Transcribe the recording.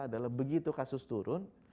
adalah begitu kasus turun